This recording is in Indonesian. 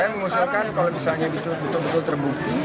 saya mengusulkan kalau misalnya betul betul terbukti